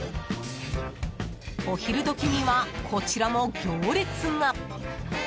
お昼時には、こちらも行列が。